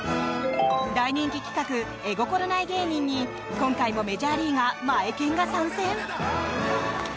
大人気企画、絵心ない芸人に今回もメジャーリーガーマエケンが参戦。